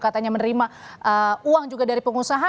katanya menerima uang juga dari pengusaha